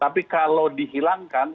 tapi kalau dihilangkan